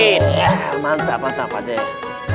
nih mantap mantap padit